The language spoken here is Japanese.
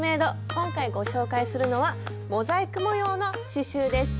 今回ご紹介するのはモザイク模様の刺しゅうです。